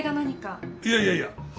いやいやいや。